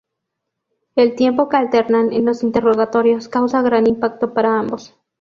El tiempo que alternan en los interrogatorios causa gran impacto para ambos.